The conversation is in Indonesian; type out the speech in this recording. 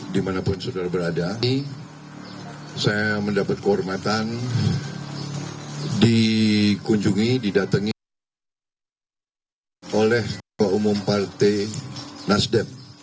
di mana pun saudara berada saya mendapat kehormatan dikunjungi didatangi oleh umum partai nasdem